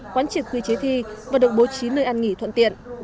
quán triệt quy chế thi và được bố trí nơi ăn nghỉ thuận tiện